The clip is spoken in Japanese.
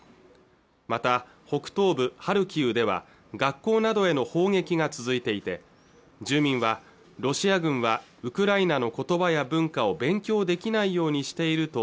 また北東部ハルキウでは学校などへの砲撃が続いていて住民はロシア軍はウクライナの言葉や文化を勉強できないようにしていると